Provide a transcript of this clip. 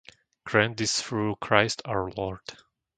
Grant this through Christ our Lord.